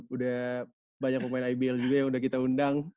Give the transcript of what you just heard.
udah banyak pemain ibl juga yang udah kita undang